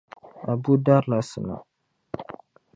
Abu darila sima.